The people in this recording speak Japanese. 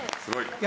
すごい。